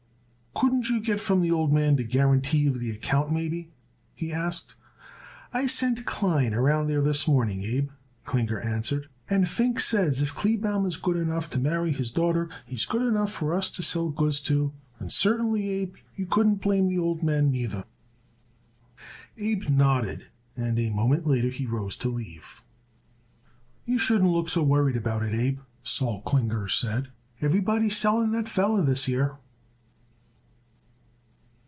"Couldn't you get from the old man a guarantee of the account maybe?" he asked. "I sent Klein around there this morning, Abe," Klinger answered, "and Pfingst says if Kleebaum is good enough to marry his daughter, he's good enough for us to sell goods to, and certainly, Abe, you couldn't blame the old man neither." Abe nodded, and a moment later he rose to leave. "You shouldn't look so worried about it, Abe," Sol Klinger said. "Everybody is selling that feller this year."